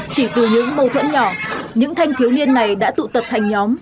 chỉ từ những mâu thuẫn nhỏ những thanh thiếu niên này đã tụ tập thành nhóm